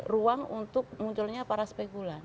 ruang untuk munculnya para spekulan